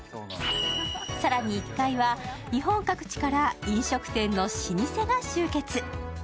更に１階は、日本各地から飲食店の老舗が集結。